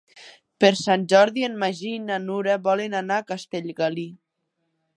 Per Sant Jordi en Magí i na Nura volen anar a Castellgalí.